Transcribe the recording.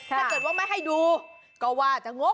ถ้าไม่ให้ดูก็ว่าจะงุ้ย